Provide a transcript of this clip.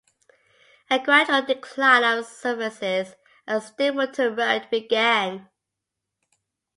A gradual decline of services at Stapleton Road began.